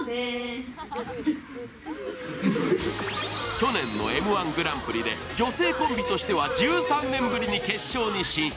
去年の「Ｍ−１」グランプリで女性としては１３年ぶりに決勝に進出。